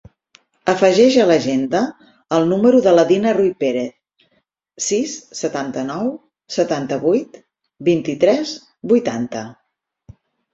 Afegeix a l'agenda el número de la Dina Ruiperez: sis, setanta-nou, setanta-vuit, vint-i-tres, vuitanta.